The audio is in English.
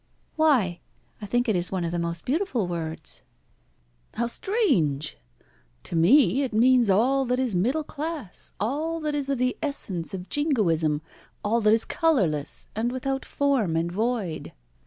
"Why? I think it is one of the most beautiful of words." "How strange! To me it means all that is middle class, all that is of the essence of jingoism, all that is colourless, and without form, and void.